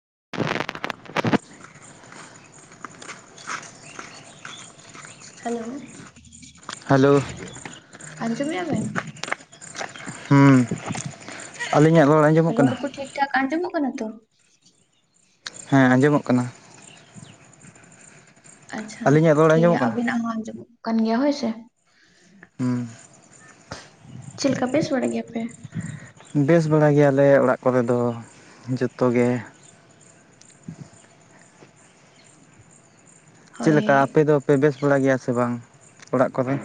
[inaudible] Hello. Hello. ᱟᱸᱡᱚᱢ ᱢᱮᱜ-ᱟ ᱵᱮᱱ? ᱦᱩᱸ ᱟᱹᱞᱤᱧᱟᱜ ᱨᱚᱲ ᱟᱸ ᱨᱚᱲ ᱠᱚ ᱴᱤᱠ ᱴᱷᱟᱠ ᱟᱸᱡᱚᱢᱜ ᱠᱟᱱᱟ ᱛᱚ? ᱦᱮᱸ ᱟᱸᱡᱚᱢᱚᱜ ᱠᱟᱱᱟ᱾ ᱟᱪᱪᱷᱟ, ᱟᱹᱞᱤᱧᱟᱜ ᱨᱚᱲ ᱴᱷᱤᱠ ᱜᱮᱭᱟ ᱟᱸᱡᱚᱢᱚᱜ ᱠᱟᱱᱟ ᱟᱵᱤᱱᱟᱜ ᱦᱚᱸ ᱟᱸᱡᱚᱢᱚᱜ ᱠᱟᱱ ᱜᱮᱭᱟ ᱦᱳᱭ ᱥᱮ᱾ ᱦᱩᱸ ᱪᱮᱫ ᱞᱮᱠᱟ ᱵᱮᱥ ᱵᱟᱲᱟᱭ ᱜᱮᱭᱟᱯᱮ? ᱵᱮᱥ ᱵᱟᱲᱟ ᱜᱮᱭᱟᱞᱮ ᱚᱲᱟᱜ ᱠᱚᱨᱮ ᱫᱚ ᱡᱚᱛᱚ ᱜᱮ᱾ ᱪᱮᱜ ᱦᱳᱭ ᱞᱮᱠᱟ ᱟᱯᱮ ᱫᱚᱯᱮ ᱵᱮᱥ ᱵᱟᱲᱟ ᱜᱮᱭᱟ ᱥᱮ ᱵᱟᱝ ᱚᱲᱟᱜ ᱠᱚᱨᱮ?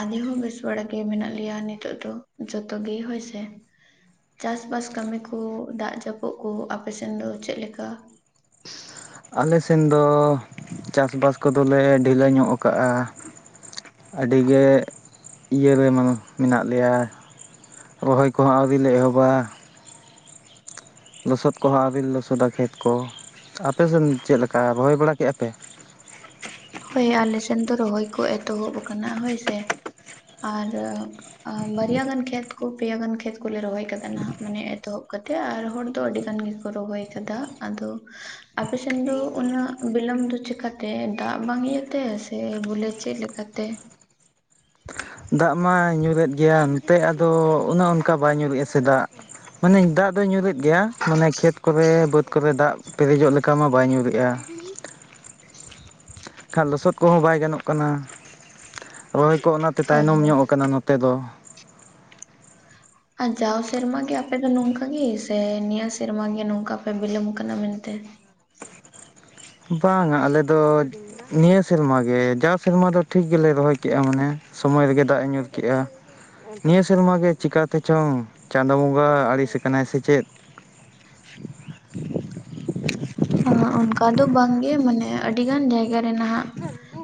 ᱟᱞᱮ ᱦᱚᱸ ᱵᱮᱥ ᱵᱟᱲᱟ ᱜᱮ ᱢᱮᱱᱟᱜ ᱞᱮᱭᱟ ᱱᱤᱛᱚᱜ ᱫᱚ ᱡᱚᱛᱚ ᱜᱮ ᱦᱳᱭ ᱥᱮ᱾ ᱪᱟᱥᱵᱟᱥ ᱠᱟᱢᱤ ᱠᱚ ᱫᱟᱜ ᱡᱟᱹᱯᱩᱫ ᱠᱚ ᱟᱯᱮ ᱥᱮᱱ ᱫᱚ ᱪᱮᱫ ᱞᱮᱠᱟ? ᱟᱞᱮ ᱥᱮᱱ ᱫᱚ ᱪᱟᱥᱵᱟᱥ ᱠᱚᱫᱚ ᱞᱮ ᱰᱷᱤᱞᱟᱹ ᱧᱚᱜ ᱟᱠᱟᱜᱼᱟ᱾ ᱟᱰᱤ ᱜᱮ ᱤᱭᱟᱹ ᱨᱮ ᱢᱟ ᱢᱮᱱᱟᱜ ᱞᱮᱭᱟ᱾ ᱨᱚᱦᱚᱭ ᱠᱚᱦᱚᱸ ᱟᱹᱣᱨᱤ ᱞᱮ ᱮᱦᱚᱵᱟ᱾ ᱞᱚᱥᱚᱫ ᱠᱚᱦᱚᱸ ᱟᱣᱨᱤ ᱞᱮ ᱞᱚᱥᱚᱫᱟ ᱠᱷᱮᱛ ᱠᱚ᱾ ᱟᱯᱮᱥᱮᱫ ᱪᱮᱫ ᱞᱮᱠᱟ ᱨᱚᱦᱚᱭ ᱵᱟᱲᱟ ᱠᱮᱜ-ᱟ ᱞᱮ? ᱦᱳᱭ ᱟᱞᱮ ᱥᱮᱱ ᱫᱚ ᱨᱚᱦᱚᱭ ᱠᱚ ᱮᱛᱚᱦᱚᱵ ᱟᱠᱟᱱᱟ ᱦᱳᱭ ᱥᱮ ᱟᱨ ᱟᱸ ᱵᱟᱨᱭᱟ ᱜᱟᱱ ᱠᱷᱮᱛ ᱠᱚ ᱯᱮᱭᱟ ᱜᱟᱱ ᱠᱷᱮᱛ ᱠᱚᱞᱮ ᱨᱚᱦᱚᱭ ᱱᱟᱦᱟᱜ ᱢᱟᱱᱮ ᱮᱛᱚᱦᱚᱵ ᱠᱟᱛᱮᱜ ᱟᱨ ᱦᱚᱲ ᱫᱚ ᱟᱹᱰᱤ ᱜᱟᱱ ᱜᱮ ᱠᱚ ᱨᱚᱦᱚᱭ ᱠᱟᱫᱟ ᱟᱫᱚ᱾ ᱟᱯᱮᱥᱮᱱ ᱫᱚ ᱩᱱᱟᱹᱜ ᱵᱤᱞᱚᱢ ᱫᱚ ᱪᱮᱠᱟᱛᱮ ᱫᱟᱜ ᱵᱟᱝ ᱤᱭᱟᱹᱛᱮ ᱥᱮ ᱵᱚᱞᱮ ᱪᱮᱫ ᱞᱮᱠᱟᱛᱮ? ᱫᱟᱜ ᱢᱟᱭ ᱧᱩᱨᱮᱫ ᱜᱮᱭᱟ ᱮᱱᱛᱮ ᱟᱫᱚ ᱩᱱᱟᱹᱜ ᱚᱱᱠᱟ ᱵᱟᱭ ᱧᱩᱨᱩᱭᱮᱫᱼᱟ ᱥᱮ ᱫᱟᱜ᱾ ᱢᱟᱱᱮ ᱫᱟᱜ ᱫᱚᱭ ᱧᱩᱨᱮᱫ ᱜᱮᱭᱟ ᱢᱟᱱᱮ ᱠᱷᱮᱛ ᱠᱚᱨᱮ ᱵᱟᱹᱛ ᱠᱚᱨᱮ ᱫᱟᱜ ᱯᱮᱨᱮᱡᱚᱜ ᱞᱮᱠᱟ ᱢᱟ ᱵᱟᱭ ᱧᱩᱨᱮᱜᱼᱟ᱾ ᱠᱷᱟᱱ ᱞᱚᱥᱚᱫ ᱠᱚᱦᱚᱸ ᱵᱟᱭ ᱜᱟᱱᱚᱜ ᱠᱟᱱᱟ᱾ ᱨᱚᱦᱚᱭ ᱠᱚ ᱚᱱᱟᱛᱮ ᱚ ᱛᱟᱭᱱᱚᱢ ᱧᱚᱸᱜ ᱠᱟᱱᱟ ᱱᱚᱛ ᱛᱮ ᱫᱚ᱾ ᱟᱨ ᱡᱟᱣ ᱥᱮᱨᱢᱟ ᱜᱮ ᱟᱯᱮ ᱫᱚ ᱱᱚᱝᱠᱟ ᱜᱮ ᱥᱮ ᱱᱤᱭᱟᱹ ᱥᱮᱨᱢᱟ ᱜᱮ ᱱᱚᱝᱠᱟ ᱯᱮ ᱵᱤᱞᱚᱢ ᱟᱠᱟᱱᱟ ᱢᱮᱱᱛᱮ? ᱵᱟᱝᱟ ᱟᱞᱮ ᱫᱚ ᱱᱤᱭᱟᱹ ᱥᱮᱨᱢᱟ ᱜᱮ ᱡᱟᱣ ᱥᱮᱨᱢᱟ ᱫᱚ ᱴᱷᱤᱠ ᱜᱮᱞᱮ ᱨᱚᱦᱚᱭ ᱠᱮᱫᱼᱟ ᱢᱟᱱᱮ᱾ ᱥᱚᱢᱚᱭ ᱨᱮᱜᱮ ᱫᱟᱜ ᱮ ᱧᱩᱨ ᱠᱮᱜᱼᱟ᱾ ᱱᱤᱭᱟᱹ ᱥᱮᱨᱢᱟ ᱜᱮ ᱪᱤᱠᱟᱛᱮᱪᱚᱝ ᱪᱟᱸᱫ ᱵᱚᱸᱜᱟ ᱟᱲᱤᱥ ᱠᱟᱱᱟᱭ ᱥᱮ ᱪᱮᱫ? ᱟᱸ ᱚᱱᱠᱟ ᱫᱚ ᱵᱟᱝᱜᱮ ᱢᱟᱱᱮ ᱟᱹᱰᱤ ᱜᱟᱱ ᱡᱟᱭᱜᱟᱮ ᱱᱟᱦᱟᱜ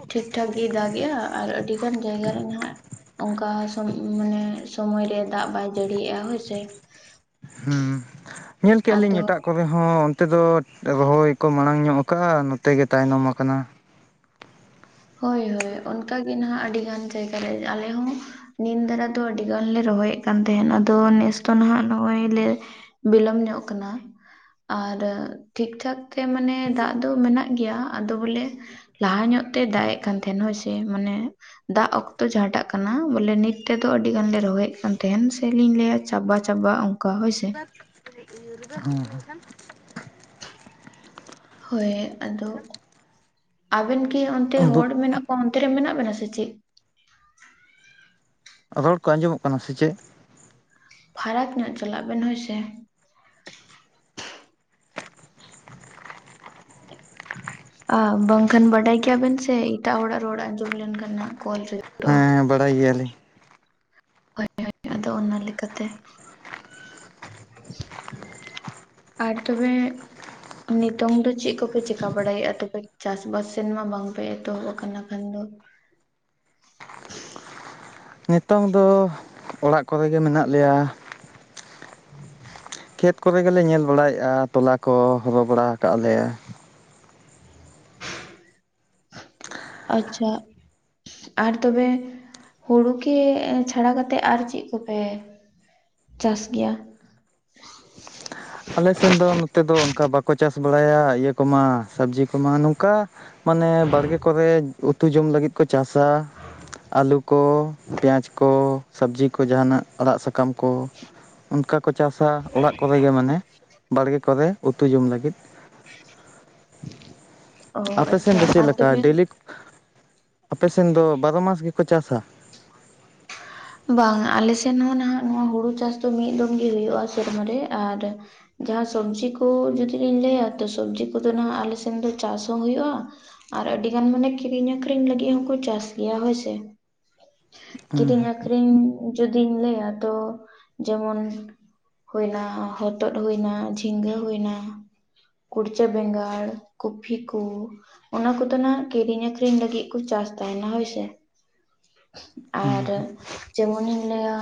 ᱴᱷᱤᱠ ᱴᱷᱟᱠ ᱜᱮᱭ ᱫᱟᱜᱮᱼᱟ ᱟᱨ ᱟᱹᱰᱤ ᱜᱟᱱ ᱡᱟᱭᱜᱟ ᱨᱮ ᱱᱟᱦᱟᱜ ᱚᱱᱠᱟ ᱥᱚᱢ ᱢᱟᱱᱮ ᱥᱚᱢᱚᱭᱨᱮ ᱫᱟᱜ ᱵᱟᱭ ᱡᱟᱹᱲᱤᱭᱟᱜᱼᱟ ᱦᱳᱭᱥᱮ᱾ ᱦᱩᱸ ᱧᱮᱞ ᱠᱮᱫᱼᱟ ᱞᱤᱧ ᱮᱴᱟᱜ ᱟᱫᱚ ᱠᱚᱨ ᱠᱚᱨᱮ ᱦᱚᱸ ᱚᱱᱛᱮ ᱫᱚ ᱨᱚᱦᱚᱭ ᱠᱚ ᱢᱟᱲᱟᱝ ᱧᱚᱜ ᱟᱠᱫᱼᱟ ᱱᱚᱛᱮ ᱜᱮ ᱛᱟᱭᱱᱚᱢ ᱟᱠᱟᱱᱟ᱾ ᱦᱳᱭ ᱦᱳᱭ ᱚᱱᱠᱟᱜ ᱜᱮ ᱱᱟᱦᱟᱜ ᱟᱹᱰᱤ ᱜᱟᱱ ᱡᱟᱭᱜᱟ ᱞᱮ ᱟᱞᱮ ᱦᱚᱸ ᱱᱤᱱ ᱫᱟᱨᱟ ᱫᱚ ᱟᱹᱰᱤᱜᱟᱱᱞᱮ ᱨᱚᱦᱚᱭᱮᱫ ᱠᱟᱱ ᱛᱟᱦᱮᱱ᱾ ᱟᱫᱚ ᱱᱮᱥ ᱫᱚᱚ ᱱᱟᱦᱟᱜ ᱱᱚᱜᱼᱚᱭ ᱞᱮ ᱵᱤᱞᱚᱢ ᱧᱚᱜ ᱠᱟᱱᱟ ᱟᱨ ᱴᱷᱤᱠ ᱴᱷᱟᱠ ᱛᱮ ᱢᱟᱱᱮ ᱫᱟᱜ ᱫᱚ ᱢᱮᱱᱟᱜ ᱜᱮᱭᱟ ᱟᱫᱚ ᱵᱚᱞᱮ ᱞᱟᱦᱟ ᱧᱚᱜ ᱛᱮ ᱫᱟᱜ ᱮᱜ ᱠᱟᱱ ᱛᱟᱦᱮᱱ, ᱦᱚᱳᱭ ᱥᱮ ᱢᱟᱱᱮ ᱫᱟᱜ ᱚᱠᱛᱚ ᱡᱟᱦᱟᱸᱴᱟᱜ ᱠᱟᱱᱟ᱾ ᱵᱚᱞᱮ ᱱᱤᱛ ᱛᱮᱫᱚ ᱟᱹᱰᱤ ᱜᱟᱱᱞᱮ ᱨᱚᱦᱚᱭᱮᱫ ᱠᱟᱱ ᱛᱟᱦᱮᱸᱦᱱ ᱥᱮᱞᱤᱧ ᱞᱟᱹᱭᱟ ᱪᱟᱵᱟ ᱪᱟᱵᱟᱜ ᱟᱝ ᱦᱩᱸ ᱦᱩᱸ᱾ ᱦᱳᱭ ᱟᱫᱚ ᱟᱵᱮᱱ ᱠᱤ ᱚᱱᱛᱮ ᱦᱚᱲ ᱢᱮᱱᱟᱜ ᱠᱚ ᱚᱱᱛᱮ ᱨᱮ ᱢᱮᱱᱟᱜ ᱵᱮᱱᱟ ᱥᱮ ᱪᱮᱫ? ᱨᱚᱲ ᱠᱚ ᱟᱸᱡᱚᱢᱚᱜ ᱠᱟᱱᱟ ᱥᱮ ᱪᱮᱫ? ᱯᱷᱟᱨᱟᱠ ᱧᱚᱜ ᱪᱟᱞᱟᱜ ᱵᱮᱱ ᱦᱚᱭ ᱥᱮ᱾ ᱟ ᱵᱟᱝᱠᱷᱟᱱ ᱵᱟᱰᱟᱭ ᱜᱮᱭᱟ ᱵᱮᱱ ᱥᱮ ᱮᱴᱟᱜ ᱦᱚᱲᱟᱜ ᱨᱚᱲ ᱟᱸᱡᱚᱢ ᱞᱮᱱᱠᱷᱟᱱ ᱱᱟᱦᱟᱜ ᱠᱚᱞ ᱨᱮ ᱦᱮᱸ ᱦᱮᱸ ᱵᱟᱲᱟᱭ ᱜᱮᱭᱟᱞᱤᱧ᱾ ᱦᱳᱭ ᱦᱳᱭ ᱟᱫᱚ ᱚᱱᱟ ᱞᱮᱠᱟᱛᱮ ᱟᱨ ᱛᱚᱵᱮ ᱱᱤᱛᱚᱝ ᱫᱚ ᱪᱮᱫ ᱠᱚᱯᱮ ᱪᱮᱠᱟ ᱵᱟᱲᱟᱭᱮᱫᱼᱟ ᱛᱚᱵᱮ ᱪᱟᱥᱵᱟᱥ ᱥᱮᱱ ᱢᱟ ᱵᱟᱝᱯᱮ ᱮᱛᱚᱦᱚᱵ ᱟᱠᱟᱱᱟ ᱠᱷᱟᱱ ᱫᱚ᱾ ᱱᱤᱛᱚᱝ ᱫᱚ ᱚᱲᱟᱜ ᱠᱚᱨᱮ ᱜᱮ ᱢᱮᱱᱟᱜ ᱞᱮᱭᱟ᱾ [inaudible] ᱠᱷᱮᱛ ᱠᱚᱨᱮ ᱜᱮᱞᱮ ᱧᱮᱞ ᱵᱟᱲᱟᱭᱮᱫᱼᱟ ᱛᱚᱞᱟ ᱠᱚ ᱦᱚᱨᱚ ᱵᱟᱲᱟ ᱠᱟᱜ-ᱟ ᱞᱮ᱾ ᱟᱪᱪᱷᱟ᱾ ᱟᱨ ᱛᱚᱵᱮ ᱦᱩᱲᱩ ᱠᱤ ᱮᱸ ᱪᱷᱟᱲᱟ ᱠᱟᱛᱮᱜ ᱟᱨ ᱪᱮᱫ ᱠᱚᱯᱮ ᱪᱟᱥ ᱜᱮᱭᱟ᱾ ᱟᱞᱮ ᱥᱮᱱ ᱫᱚ ᱱᱚᱛᱮ ᱫᱚ ᱚᱱᱠᱟ ᱵᱟᱠᱚ ᱪᱟᱥ ᱵᱟᱲᱟᱭᱟ ᱤᱭᱟᱹ ᱠᱚᱢᱟ ᱥᱚᱵᱽᱡᱤ ᱠᱚᱢᱟ᱾ ᱱᱚᱝᱠᱟ ᱢᱟᱱᱮ ᱵᱟᱲᱜᱮ ᱠᱚᱨᱮ ᱩᱛᱩ ᱡᱚᱢ ᱞᱟᱹᱜᱤᱫ ᱠᱚ ᱪᱟᱥᱟ᱾ ᱟᱹᱞᱩ ᱠᱚ, ᱯᱮᱸᱭᱟᱡᱽ ᱠᱚ, ᱥᱚᱵᱽᱡᱤ ᱠᱚ ᱡᱟᱦᱟᱱᱟᱜ ᱟᱲᱟᱜ ᱥᱟᱠ ᱠᱟᱢ ᱠᱚ ᱚᱱᱠᱟ ᱠᱚ ᱪᱟᱥᱟ ᱚᱲᱟᱜ ᱠᱚᱨᱮ ᱜᱮ ᱢᱟᱱᱮ᱾ ᱵᱟᱲᱜᱮ ᱠᱚᱨᱮ ᱩᱛᱩ ᱡᱚᱢ ᱞᱟᱹᱜᱤᱫ᱾ ᱚ ᱟᱯᱮ ᱥᱮᱱ ᱟᱪᱪᱷᱟ ᱫᱚ ᱟᱨ ᱪᱮᱫᱞᱮᱠᱟ ᱛᱚᱵᱮ ᱰᱮᱞᱤ ᱟᱯᱮ ᱥᱮᱱ ᱫᱚ ᱵᱟᱨᱚ ᱢᱟᱥ ᱜᱮᱠᱚ ᱪᱟᱥᱟ? ᱵᱟᱝ ᱟᱞᱮ ᱥᱮᱱ ᱦᱚᱸ ᱱᱟᱦᱟᱜ ᱱᱚᱣᱟ ᱦᱩᱲᱩ ᱪᱟᱥ ᱫᱚ ᱢᱤᱫ ᱫᱚᱢ ᱜᱮ ᱦᱩᱭᱩᱜᱼᱟ ᱥᱮᱨᱢᱟ ᱨᱮ ᱟᱨ ᱡᱟᱦᱟᱸ ᱥᱚᱵᱽᱡᱤ ᱠᱚ ᱡᱩᱫᱤ ᱞᱤᱧ ᱞᱟᱹᱭᱟ ᱛᱚ ᱥᱚᱵᱽᱡᱤ ᱠᱚᱫᱚ ᱱᱟᱦᱟᱜ ᱟᱞᱮ ᱥᱮᱱ ᱫᱚ ᱪᱟᱥ ᱦᱚᱸ ᱦᱩᱭᱩᱜᱼᱟ ᱟᱨ ᱟᱹᱰᱤ ᱜᱟᱱ ᱢᱟᱱᱮ ᱠᱤᱨᱤᱧ ᱟᱠᱷᱨᱤᱧ ᱞᱟᱹᱜᱤᱫ ᱦᱚᱸᱠᱚ ᱪᱟᱥ ᱜᱮᱭᱟ ᱦᱳᱭᱥᱮ᱾ ᱦᱩᱸ ᱠᱤᱨᱤᱧ ᱟᱠᱷᱨᱤᱧ ᱡᱩᱚᱫᱤᱧ ᱞᱟᱹᱭᱟ ᱛᱚ ᱡᱮᱢᱚᱱ ᱦᱩᱭᱱᱟ ᱦᱚᱛᱚᱫ ᱦᱩᱭᱱᱟ ᱡᱷᱤᱸᱜᱟᱹ ᱦᱩᱭᱱᱟ ᱠᱩᱲᱪᱟᱹ ᱵᱮᱸᱜᱟᱲ ᱠᱚᱯᱷᱤ ᱠᱚ ᱚᱱᱟ ᱠᱚᱫᱚ ᱱᱟᱜ ᱠᱤᱨᱤᱧ ᱟᱠᱷᱨᱤᱧ ᱞᱟᱹᱜᱤᱫ ᱠᱚ ᱪᱟᱥ ᱛᱟᱦᱮᱱᱟ ᱦᱳᱭᱥᱮ ᱟᱨ ᱦᱩᱸ ᱡᱮᱢᱚᱱᱤᱧ ᱞᱟᱹᱭᱟ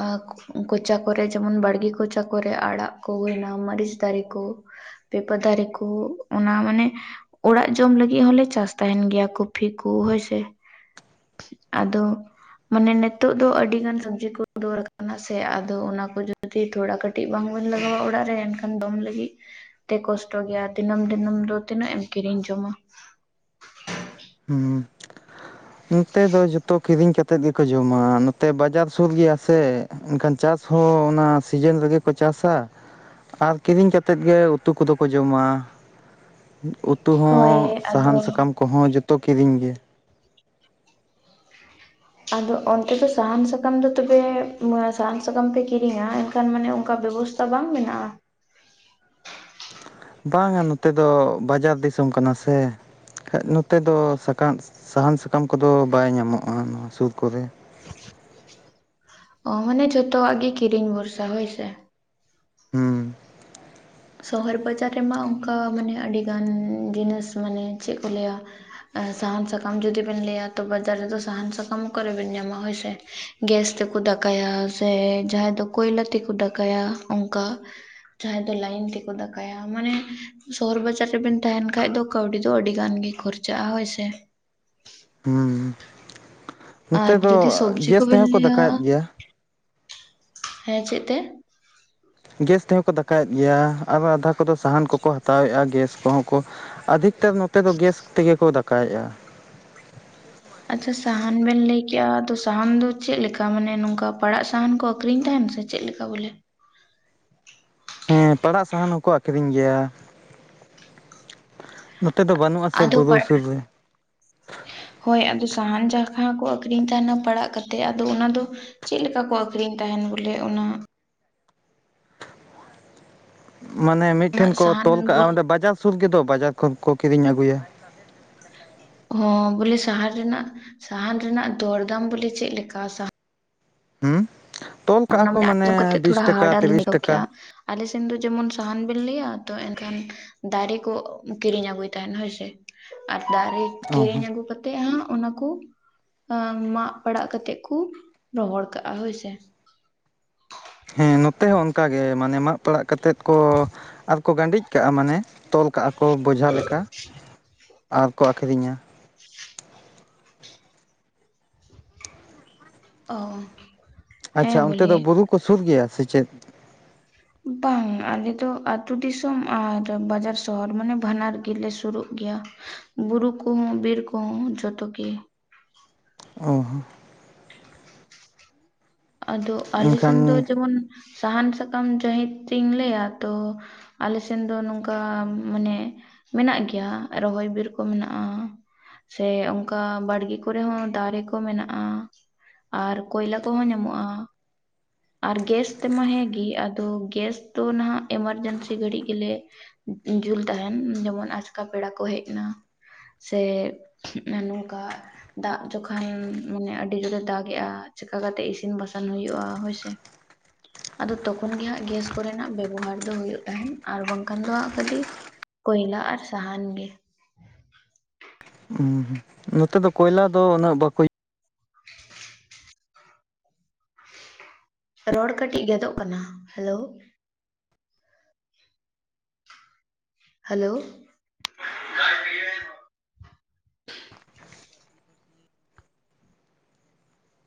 ᱟᱠ ᱠᱚᱪᱟ ᱠᱚᱨᱮ ᱡᱮᱢᱚᱱ ᱵᱟᱲᱜᱮ ᱠᱚᱪᱟ ᱠᱚᱨᱮᱜ ᱟᱲᱟᱜ ᱠᱚ ᱦᱩᱭᱱᱟ ᱢᱟᱹᱨᱤᱪ ᱫᱟᱨᱮ ᱠᱚ ᱯᱤᱯᱟᱹ ᱫᱟᱨᱮ ᱠᱚ ᱚᱱᱟ ᱢᱟᱱᱮ ᱚᱲᱟᱜ ᱡᱚᱢ ᱞᱟᱹᱜᱤᱫ ᱦᱚᱞᱮ ᱪᱟᱥ ᱛᱟᱦᱮᱱ ᱜᱮᱭᱟ ᱠᱚᱯᱷᱤ ᱠᱚ ᱦᱳᱭ ᱥᱮ ᱟᱫᱚ ᱢᱟᱱᱮ ᱱᱤᱛᱚᱜ ᱫᱚ ᱟᱹᱰᱤ ᱜᱟᱱ ᱥᱚᱵᱡᱤ ᱠᱚ ᱫᱚᱨ ᱟᱠᱟᱱᱟ ᱥᱮ ᱟᱫᱚ ᱚᱱᱟ ᱠᱚ ᱡᱩᱫᱤ ᱛᱷᱚᱲᱟ ᱠᱟᱴ ᱴᱤᱡ ᱵᱟᱝᱵᱱ ᱞᱟᱜᱟᱣᱟ ᱚᱲᱟᱜ ᱨᱮ ᱮᱱᱠᱷᱟᱱ ᱫᱚᱢ ᱞᱟᱹᱜᱤᱫ ᱛᱮ ᱠᱚᱥᱴᱚ ᱜᱮᱭᱟ ᱫᱤᱱᱟᱹᱢ ᱫᱤᱱᱟᱹᱢ ᱫᱚ ᱛᱤᱱᱟᱹᱜ ᱮᱢ ᱠᱤᱨᱤᱧ ᱡᱚᱢᱟ ᱦᱩᱸ ᱱᱚᱛᱮ ᱫᱚ ᱡᱚᱛᱚ ᱠᱤᱨᱤᱧ ᱠᱟᱛᱮᱫ ᱜᱮᱠᱚ ᱡᱚᱢᱟ ᱱᱚᱛᱮ ᱵᱟᱡᱟᱨ ᱥᱩᱨ ᱜᱮᱭᱟ ᱥᱮ᱾ ᱮᱱᱠᱷᱟᱱ ᱪᱟᱥ ᱦᱚᱸ ᱚᱱᱟ ᱥᱤᱡᱤᱱ ᱨᱮᱜᱮ ᱠᱚ ᱪᱟᱥᱟ ᱟᱨ ᱠᱤᱨᱤᱧ ᱠᱟᱛᱮᱫ ᱜᱮ ᱩᱛᱩ ᱠᱚᱫᱚ ᱠᱚ ᱡᱚᱢᱟ᱾ ᱩᱛᱩ ᱦᱚᱸ ᱦᱳᱭ ᱟᱫᱚ ᱥᱟᱦᱟᱱ ᱥᱟᱠᱟᱢ ᱠᱚᱦᱚᱸ ᱡᱚᱛᱚ ᱠᱤᱨᱤᱧ ᱜᱮ᱾ ᱟᱫᱚ ᱚᱱᱛᱮ ᱫᱚ ᱥᱟᱦᱟᱱ ᱥᱟᱠᱟᱢ ᱫᱚ ᱛᱚᱵᱮ ᱥᱟᱦᱟᱱ ᱥᱟᱠᱟᱢ ᱯᱮ ᱠᱤᱨᱤᱧᱟ ᱮᱱᱠᱷᱟᱱ ᱢᱟᱱᱮ ᱚᱱᱠᱟ ᱵᱮᱵᱚᱥᱛ ᱛᱟ ᱵᱟᱝ ᱢᱮᱱᱟᱜ-ᱟ ᱵᱟᱝᱟ ᱱᱚᱛᱮ ᱫᱚ ᱵᱟᱡᱟᱨ ᱫᱤᱥᱚᱢ ᱠᱟᱱᱟ ᱥᱮ ᱱᱚᱛᱮ ᱫᱚ ᱥᱟᱠᱟᱢ ᱥᱟᱦᱟᱱ ᱥᱟᱠᱟᱢ ᱠᱚᱫᱚ ᱵᱟᱭ ᱧᱟᱢᱚᱜ-ᱟ ᱱᱚᱣᱟ ᱥᱩᱨ ᱠᱚᱨᱮ ᱚ ᱢᱟᱱᱮ ᱡᱷᱚᱛᱚᱣᱟᱜ ᱜᱮ ᱠᱤᱨᱤᱧ ᱵᱷᱚᱨᱥᱟ ᱦᱳᱭ ᱥᱮ ᱦᱩᱸ ᱥᱚᱦᱚᱨ ᱵᱟᱡᱟᱨ ᱨᱮᱢᱟ ᱚᱱᱠᱟ ᱢᱟᱱᱮ ᱟᱹᱰᱤᱜᱟᱱ ᱡᱤᱱᱤᱥ ᱢᱟᱱᱮ ᱪᱮᱫ ᱠᱚ ᱞᱟᱹᱭᱟ ᱥᱟᱦᱟᱱ ᱥᱟᱠᱟᱢ ᱡᱩᱫᱤ ᱵᱮᱱ ᱞᱟᱹᱭᱟ ᱛᱚ ᱵᱟᱡᱟᱨ ᱨᱮᱫᱚ ᱥᱟᱦᱟᱱ ᱥᱟᱠᱟᱢ ᱚᱠᱟᱨᱮ ᱵᱮᱱ ᱧᱟᱢᱟ ᱦᱳᱭᱥᱮ ᱜᱮᱥ ᱛᱮᱠᱚ ᱫᱟᱠᱟᱭᱟ ᱥᱮ ᱡᱟᱦᱟᱸᱭ ᱫᱚ ᱠᱚᱭᱞᱟ ᱛᱮᱠᱚ ᱫᱟᱠᱟᱭᱟ ᱚᱱᱠᱟ᱾ ᱡᱟᱦᱟᱸᱭ ᱫᱚ ᱞᱟᱭᱤᱱ ᱛᱮᱠᱚ ᱫᱟᱠᱟᱭᱟ ᱢᱟᱱᱮ ᱥᱚᱦᱚᱨ ᱵᱟᱡᱟᱨ ᱨᱮᱵᱮᱱ ᱛᱟᱦᱮᱱ ᱠᱷᱟᱡ ᱫᱚ ᱠᱟᱹᱣᱰᱤ ᱫᱚ ᱟᱹᱰᱤ ᱜᱟᱱ ᱜᱮ ᱠᱷᱚᱨᱪᱟᱜᱼᱟ ᱦᱳᱭᱥᱮ ᱦᱩᱸ ᱱᱚᱛᱮ ᱟᱨ ᱫᱚ ᱡᱩᱫᱤ ᱥᱚᱵᱡᱤ ᱜᱮᱥ ᱠᱚᱵᱮᱱ ᱛᱮᱦᱚᱸ ᱠᱚ ᱞᱟᱹᱭᱟ ᱫᱟᱠᱟᱭᱮᱫ ᱜᱮᱭᱟ᱾ ᱦᱮᱸ ᱪᱮᱫ ᱛᱮ? ᱜᱮᱥ ᱛᱮᱦᱚᱸ ᱠᱚ ᱫᱟᱠᱟᱭᱮᱫ ᱜᱮᱭᱟ ᱟᱨ ᱟᱫᱷᱟ ᱠᱚᱫᱚ ᱥᱟᱦᱟᱱ ᱠᱚᱠᱚ ᱦᱟᱛᱟᱣᱮᱫ-ᱟ ᱜᱮᱥ ᱠᱚᱦᱚᱸ ᱠᱚ ᱟᱫᱷᱤᱠᱛᱟᱨ ᱱᱚᱛᱮ ᱫᱚ ᱜᱮᱥ ᱛᱮᱜᱮ ᱠᱚ ᱫᱟᱠᱟᱭᱮᱫ-ᱟ᱾ ᱟᱪᱪᱷᱟ ᱥᱟᱦᱟᱱ ᱵᱮᱱ ᱞᱟᱹᱭᱠᱮᱜ-ᱟ ᱛᱚ ᱥᱟᱦᱟᱱ ᱫᱚ ᱪᱮᱫ ᱞᱮᱠᱟ? ᱢᱟᱱᱮ ᱱᱚᱝᱠᱟ ᱯᱟᱲᱟᱜ ᱥᱟᱦᱟᱱ ᱠᱚ ᱟᱠᱷᱨᱤᱧ ᱛᱟᱦᱮᱱ ᱥᱮ ᱪᱮᱫ ᱞᱮᱠᱟ ᱵᱚᱞᱮ? ᱦᱮᱸ ᱯᱟᱲᱟᱜ ᱥᱟᱦᱟᱱ ᱦᱚᱸᱠᱚ ᱟᱠᱷᱨᱤᱧ ᱜᱮᱭᱟ ᱱᱚᱛᱮ ᱫᱚ ᱵᱟᱹᱱᱩᱜ ᱟᱥᱮ ᱟᱫᱚ ᱵᱩᱨᱩ ᱯᱟᱲ ᱥᱩᱨ ᱨᱮ ᱦᱳᱭ ᱟᱫᱚ ᱥᱟᱦᱟᱱ ᱡᱟᱦᱟᱸ ᱠᱚ ᱟᱹᱷᱨᱤᱧ ᱛᱟᱦᱮᱱᱟ ᱯᱟᱲᱟᱜ ᱠᱟᱛᱮ ᱟᱫᱚ ᱚᱱᱟ ᱫᱚ ᱪᱮᱫ ᱞᱮᱠᱟ ᱠᱚ ᱟᱹᱷᱨᱤᱧ ᱛᱟᱦᱮᱱ ᱵᱚᱞᱮ ᱚᱱᱟ ᱢᱟᱱᱮ ᱢᱤᱫᱴᱷᱮᱱ ᱨᱮᱱᱟᱜ ᱠᱚ ᱥᱟᱦᱟᱱ ᱛᱚᱞ ᱠᱟᱜ-ᱟ ᱵᱚᱞ ᱚᱸᱰᱮ ᱵᱟᱡᱟᱨ ᱥᱩᱨ ᱜᱮᱫᱚ ᱵᱟᱡᱟᱨ ᱠᱷᱚᱱ ᱠᱚ ᱠᱤᱨᱤᱧ ᱟᱹᱜᱩᱭᱟ ᱦᱚᱸ ᱵᱚᱞᱮ ᱥᱟᱦᱟᱱ ᱨᱮᱱᱟᱜ ᱥᱟᱦᱟᱱ ᱨᱮᱱᱟᱜ ᱫᱚᱨᱫᱟᱢ ᱵᱚᱞᱮ ᱪᱮᱫᱠᱟ ᱥᱟᱦᱟ ᱦᱩᱸ ᱛᱚᱞ ᱠᱟᱜ-ᱟ ᱚᱱᱟ ᱠᱚ ᱢᱟᱱᱮ ᱟᱸᱡᱚᱢ ᱵᱤᱥ ᱴᱟᱠᱟ ᱛᱤᱨᱤᱥ ᱴᱟᱠᱟ ᱟᱞᱮᱥᱱ ᱫᱚ ᱡᱮᱢᱚᱱ ᱥᱟᱦᱟᱱ ᱵᱮᱱ ᱞᱟᱹᱭᱟ ᱛᱚ ᱮᱱᱠᱷᱟᱱ ᱫᱟᱨᱮ ᱠᱚ ᱠᱤᱨᱤᱧ ᱟᱹᱜᱩᱭ ᱛᱟᱦᱮᱱ ᱦᱳᱭᱥᱮ ᱟᱨ ᱫᱟᱨᱮ ᱚ ᱠᱤᱨᱤᱧ ᱦᱚᱸ ᱟᱹᱜᱩ ᱠᱟᱛ ᱠᱟᱛᱮᱜ ᱦᱚᱸ ᱚᱱᱟ ᱠᱚ ᱢᱟᱜ ᱯᱟᱲᱟᱜ ᱠᱟᱛᱮᱜ ᱠᱚ ᱨᱚᱦᱚᱲ ᱠᱟᱜ-ᱟ ᱦᱳᱭᱥᱮ᱾ [inaudible] ᱦᱮᱸ ᱱᱚᱛᱮ ᱦᱚᱸ ᱚᱱᱠᱟ ᱜᱮ ᱢᱟᱱᱮ ᱢᱟᱜ ᱯᱟᱲᱟᱜ ᱠᱟᱛᱮ ᱠᱚ ᱟᱨ ᱠᱚ ᱜᱟᱸᱰᱤᱡ ᱠᱟᱜ-ᱟ ᱢᱟᱱᱮ ᱛᱚᱞ -ᱠᱟᱜ ᱟᱠᱚ ᱵᱚᱡᱷᱟ ᱞᱮᱠᱟ, ᱟᱨᱠᱚ ᱟᱹᱠᱷᱨᱤᱧᱟ᱾ ᱚᱻ ᱟᱪᱪᱷᱟ, ᱚᱱᱛᱮ ᱫᱚ ᱵᱩᱨᱩ ᱠᱚ ᱥᱩᱨ ᱜᱮᱭᱟ ᱥᱮ ᱪᱮᱫ? ᱵᱟᱝ, ᱟᱞᱮ ᱫᱚ ᱟᱛᱳ ᱫᱤᱥᱚᱢ ᱟᱨ ᱵᱟᱡᱟᱨ ᱥᱚᱦᱚᱨ, ᱢᱟᱱᱮ ᱵᱟᱱᱟᱨᱜᱮ ᱞᱮ ᱥᱩᱨᱩᱜ ᱜᱮᱭᱟ᱾ ᱵᱩᱨᱩ ᱠᱚᱦᱚᱸ, ᱵᱤᱨ ᱠᱚᱦᱚᱸ, ᱡᱚᱛᱚ ᱜᱮ ᱾ ᱚᱻ ᱟᱫᱚ ᱟᱞᱮ ᱥᱮᱱ ᱫᱚ ᱮᱱᱠᱷᱟᱱ ᱡᱮᱢᱚᱱ, ᱥᱟᱦᱟᱱ ᱥᱟᱠᱟᱢ ᱡᱟᱹᱦᱤᱡ ᱛᱮᱧ ᱞᱟᱹᱭᱟ ᱛᱚ, ᱟᱞᱮ ᱥᱮᱱ ᱫᱚ ᱱᱚᱝᱠᱟ ᱢᱟᱱᱮ, ᱢᱮᱱᱟᱜ ᱜᱮᱭᱟ, ᱨᱚᱦᱚᱭ ᱵᱤᱨ ᱠᱚ ᱢᱮᱱᱟᱜᱼᱟ ᱾ ᱥᱮ ᱚᱱᱠᱟ ᱵᱟᱲᱜᱤ ᱠᱚᱨᱮ ᱦᱚᱸ ᱫᱟᱨᱮ ᱠᱚ ᱢᱮᱱᱟᱜᱼᱟ, ᱟᱨ ᱠᱚᱭᱞᱟ ᱠᱚᱦᱚᱸ ᱧᱟᱢᱚᱜᱼᱟ ᱾ ᱟᱨ ᱜᱮᱥ ᱛᱮᱢᱟ ᱦᱮᱸ ᱜᱤ, ᱟᱫᱚ ᱜᱮᱥ ᱫᱚ ᱱᱟᱦᱟᱜ ᱮᱢᱟᱨᱡᱮᱱᱥᱤ ᱜᱷᱟᱹᱲᱤᱡ ᱜᱮᱞᱮ ᱡᱩᱞ ᱛᱟᱦᱮᱱ, ᱡᱮᱢᱚᱱ ᱟᱡᱠᱟ ᱯᱮᱲᱟ ᱠᱚ ᱦᱮᱡ ᱮᱱᱟ, ᱥᱮ ᱱᱚᱝᱠᱟ ᱫᱟᱜ ᱡᱚᱠᱷᱟᱱ ᱢᱟᱱᱮ, ᱟᱹᱰᱤ ᱡᱳᱨᱮ ᱫᱟᱜᱮᱜᱼᱟ ᱪᱮᱠᱟ ᱠᱟᱛᱮ ᱤᱥᱤᱱ ᱤᱥᱤᱱ ᱵᱟᱥᱟᱱ ᱦᱳᱭᱳᱜᱼᱟ ᱦᱳᱭ ᱥᱮ, ᱟᱫᱚ ᱛᱚᱠᱷᱚᱱ ᱜᱮ ᱦᱟᱸᱜ ᱜᱮᱥ ᱠᱚᱨᱮᱱᱟᱜ ᱵᱮᱵᱚᱦᱟᱨ ᱫᱚ ᱦᱩᱭᱩᱜ ᱛᱟᱦᱮᱸᱱ, ᱟᱨ ᱵᱟᱝᱠᱷᱟᱱ ᱫᱚ ᱦᱟᱸᱜ ᱠᱷᱟᱹᱴᱤ ᱠᱚᱭᱞᱟ ᱟᱨ ᱥᱟᱦᱟᱱ ᱜᱮ, ᱩᱸ ᱦᱩᱸ, ᱱᱚᱛᱮ ᱫᱚ, ᱠᱚᱭᱞᱟ ᱫᱚ ᱩᱱᱟᱹᱜ ᱵᱟᱠᱚ [unintelligible] ᱨᱚᱲ ᱠᱟᱹᱴᱤᱡ ᱜᱮᱫᱚᱜ ᱠᱟᱱᱟ, ᱦᱮᱞᱳ ᱦᱮᱞᱳ,